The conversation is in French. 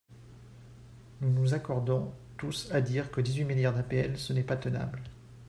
Nous nous accordons tous à dire que dix-huit milliards d’APL, ce n’est pas tenable.